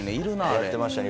やってましたね